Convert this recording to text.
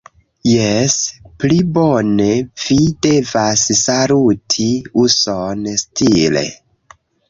Jes, pli bone. Vi devas saluti uson-stile.